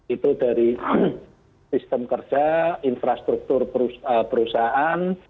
itu dari sistem kerja infrastruktur perusahaan